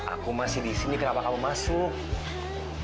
aku masih di sini kenapa kamu masuk